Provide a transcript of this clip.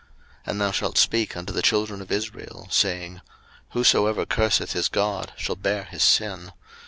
03:024:015 And thou shalt speak unto the children of Israel, saying, Whosoever curseth his God shall bear his sin.